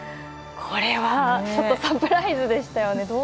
これは、サプライズでしたよね。